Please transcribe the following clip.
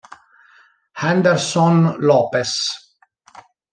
Anderson Lopes